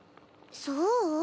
そう？